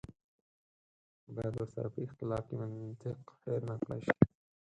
باید ورسره په اختلاف کې منطق هېر نه کړای شي.